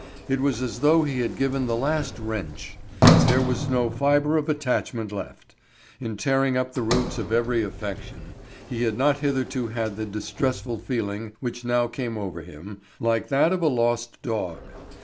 It was as though he had given the last wrench; there was no fibre of attachment left. In tearing up the roots of every affection he had not hitherto had the distressful feeling which now came over him, like that of a lost dog.